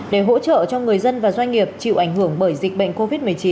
để hỗ trợ cho người dân và doanh nghiệp chịu ảnh hưởng bởi dịch bệnh covid một mươi chín